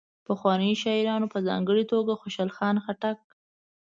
پخوانیو شاعرانو په ځانګړي توګه خوشال خان خټک.